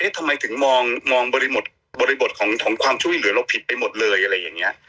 ทำไมถึงมองบริบทของความช่วยเหลือเราผิดไปหมดเลยอะไรอย่างนี้